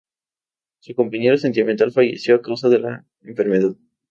Su compañero sentimental falleció a causa de la enfermedad.